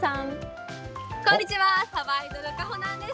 こんにちは、さばいどる、かほなんです。